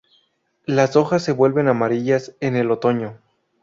Las hojas se vuelven amarillas en el otoño.